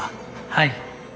はい。